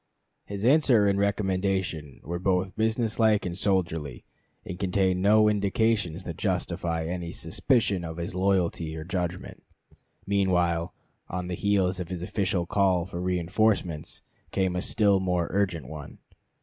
His answer and recommendation were both business like and soldierly, and contained no indications that justify any suspicion of his loyalty or judgment. Meanwhile, on the heels of this official call for reënforcements, came a still more urgent one.